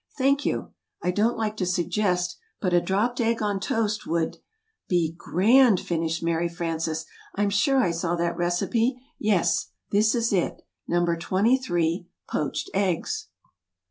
"Thank you, I don't like to suggest, but a Dropped Egg on Toast would " "Be grand!" finished Mary Frances. "I'm sure I saw that recipe; yes, this is it!" NO. 23. POACHED EGGS.